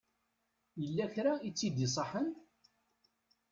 Yella kra i tt-id-iṣaḥen?